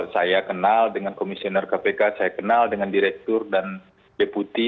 saya kenal dengan komisioner kpk saya kenal dengan direktur dan deputi